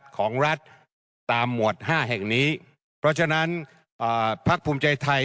ของรัฐตามหมวดห้าแห่งนี้เพราะฉะนั้นพักภูมิใจไทย